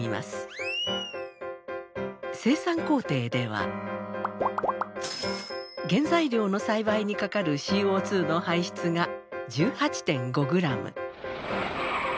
生産工程では原材料の栽培にかかるＣＯの排出が１８．５ｇ。